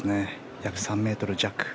約３ｍ弱。